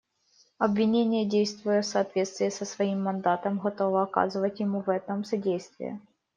Обвинение, действуя в соответствии со своим мандатом, готово оказывать ему в этом содействие.